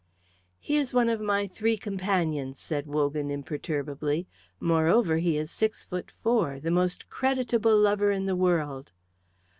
"He is one of my three companions," said Wogan, imperturbably. "Moreover, he is six foot four, the most creditable lover in the world."